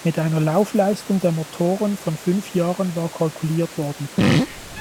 Mit einer Laufleistung der Motoren von fünf Jahren war kalkuliert worden.